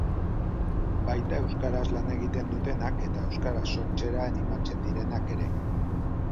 baita euskaraz lan egiten dutenak eta euskaraz sortzera animatzen direnak ere